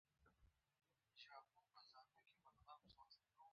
ځان ته د تلقينولو اصل چې ستاسې لاشعور ته امرونه لېږي هم مراعتوئ.